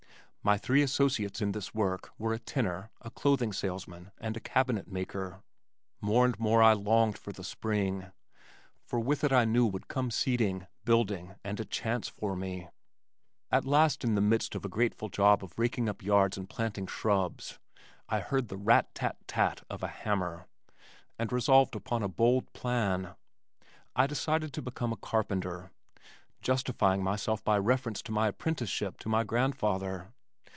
My three associates in this work were a tinner, a clothing salesman and a cabinet maker. More and more I longed for the spring, for with it I knew would come seeding, building and a chance for me. At last in the midst of a grateful job of raking up yards and planting shrubs, I heard the rat tat tat of a hammer, and resolved upon a bold plan. I decided to become a carpenter, justifying myself by reference to my apprenticeship to my grandfather.